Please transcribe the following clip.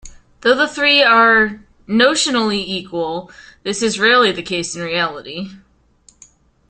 Though the three are notionally equal, this is rarely the case in reality.